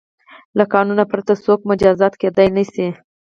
له قانون پرته څوک مجازات کیدای نه شي.